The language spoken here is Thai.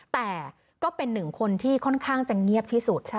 แต่ก็เป็นหนึ่งคนที่ค่อนข้างจะเงียบที่สุด